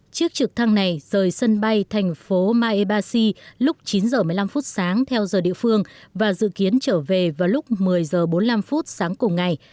chiếc trực thăng này rời sân bay thành phố maebashi lúc chín h một mươi năm phút sáng theo giờ địa phương và dự kiến trở về vào lúc một mươi h bốn mươi năm sáng cùng ngày